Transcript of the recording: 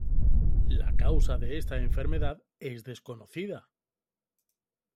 La causa de esta enfermedad es desconocida.